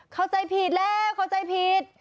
เข้าใจผิดแล้วเข้าใจผิด